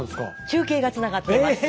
中継がつながっています。